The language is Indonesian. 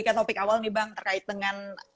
ke topik awal nih bang terkait dengan